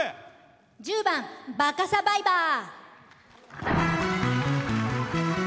１０番「バカサバイバー」。